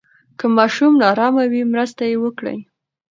که ماشوم نا آرامه وي، مرسته یې وکړئ.